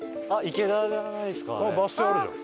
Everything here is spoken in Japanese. あっバス停あるじゃん！